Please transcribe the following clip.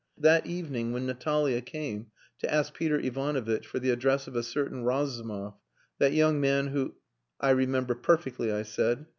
That evening when Natalia came to ask Peter Ivanovitch for the address of a certain Razumov, that young man who..." "I remember perfectly," I said.